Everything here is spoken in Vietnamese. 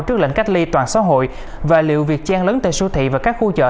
trước lệnh cách ly toàn xã hội và liệu việc trang lấn tại sưu thị và các khu chợ